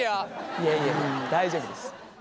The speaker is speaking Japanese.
いやいや大丈夫です。